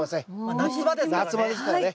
夏場ですからね。